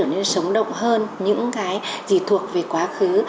bảo tàng sẽ trở nên sống động hơn những gì thuộc về quá khứ